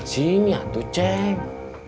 sini atu ceng